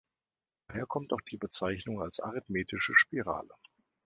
Daher kommt auch die Bezeichnung als „arithmetische Spirale“.